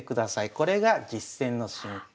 これが実戦の進行。